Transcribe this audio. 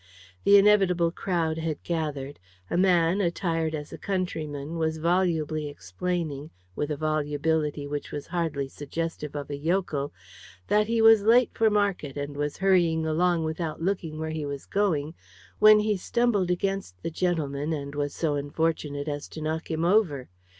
The inevitable crowd had gathered. A man, attired as a countryman, was volubly explaining with a volubility which was hardly suggestive of a yokel that he was late for market, and was hurrying along without looking where he was going, when he stumbled against the gentleman, and was so unfortunate as to knock him over.